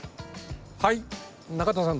はい中田さん